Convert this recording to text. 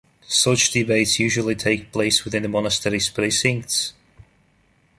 Such debates usually take place within the monastery's precincts.